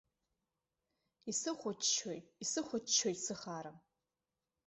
Исыхәаччоит, исыхәаччоит сыхаара!